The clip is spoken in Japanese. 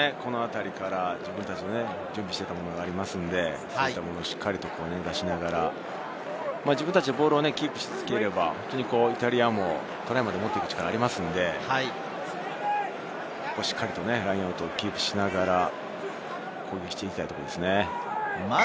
自分たちが準備していたものがありますので、しっかり出しながら自分たちでボールをキープし続ければ、イタリアもトライまで持っていく力がありますので、しっかりとラインアウトキープしながら攻撃したいところですね。